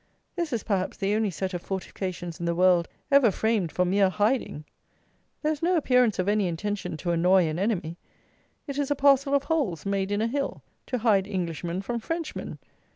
This is, perhaps, the only set of fortifications in the world ever framed for mere hiding. There is no appearance of any intention to annoy an enemy. It is a parcel of holes made in a hill, to hide Englishmen from Frenchmen.